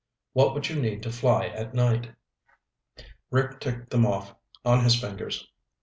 "What would you need to fly at night?" Rick ticked them off on his fingers.